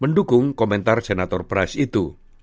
mendukung komentar senator price itu